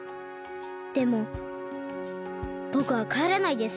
でもぼくはかえらないです。